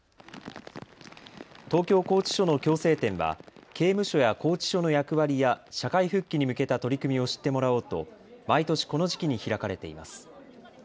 東京拘置所の矯正展は刑務所や拘置所の役割や社会復帰に向けた取り組みを知ってもらおうと毎年この時期に開かれています。